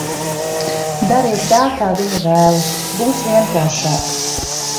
Dariet tā, kā viņa vēlas, būs vienkāršāk.